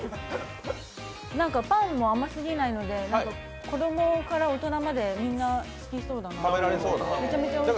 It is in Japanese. パンも甘すぎないので子供から大人までみんな好きそうだなと思いました